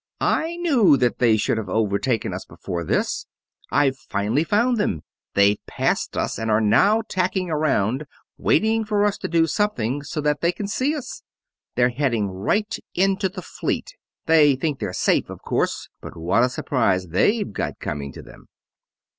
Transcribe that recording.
I knew that they should have overtaken us before this. I've finally found them. They've passed us, and are now tacking around, waiting for us to do something so that they can see us! They're heading right into the Fleet they think they're safe, of course, but what a surprise they've got coming to them!"